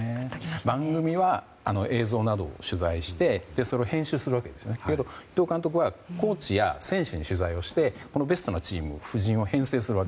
番組は映像などで取材してそれを編集するわけですが伊藤監督はコーチや選手に取材しベストな布陣を編成する。